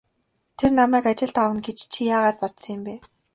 Тэр намайг ажилд авна гэж чи яагаад бодсон юм бэ?